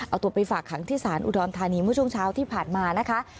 เอาตัวไปฝากขังที่ศาลอุดรธานีเมื่อช่วงเช้าที่ผ่านมานะคะ